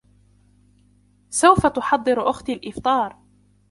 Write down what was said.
سوف تحضر اختى الإفطار.